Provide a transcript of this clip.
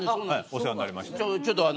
お世話になりました。